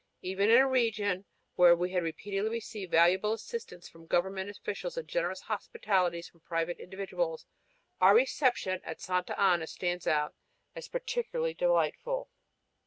Even in a region where we had repeatedly received valuable assistance from government officials and generous hospitality from private individuals, our reception at Santa Ana stands out as particularly delightful.